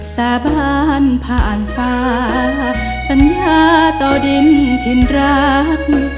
สาบานผ่านฟ้าสัญญาต่อดินเข็นรัก